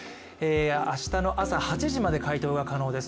明日の朝８時まで回答が可能です。